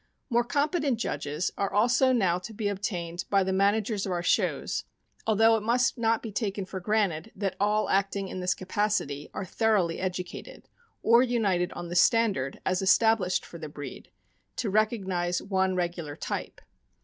More competent judges are also now to be obtained by the managers of our shows, although it must n «t be taken for granted that all acting in this capacity are thoroughly educated, or united on the stand ard as established for the breed, to recognize one regular type.